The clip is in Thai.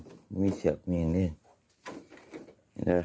บอมมี่เชือกบอมมี่อย่างนี้